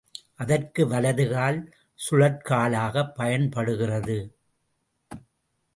அதற்கு வலது கால் சுழற்காலாகப் பயன்படுகிறது.